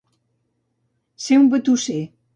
Ser un batusser.